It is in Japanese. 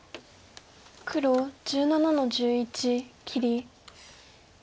黒１７の十一切り。